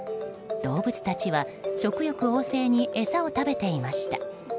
動物たちは食欲旺盛に餌を食べていました。